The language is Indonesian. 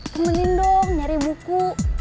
temenin dong nyari buku